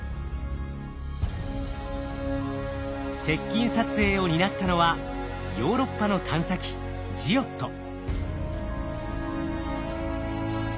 接近撮影を担ったのはヨーロッパの探査機ジオット。